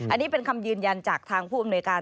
อันนี้เป็นคำยืนยันจากทางผู้อำนวยการ